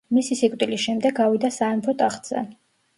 მისი სიკვდილის შემდეგ ავიდა სამეფო ტახტზე.